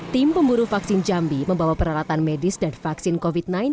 tim pemburu vaksin jambi membawa peralatan medis dan vaksin covid sembilan belas